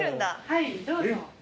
はいどうぞ。